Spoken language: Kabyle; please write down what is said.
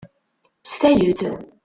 S tayet.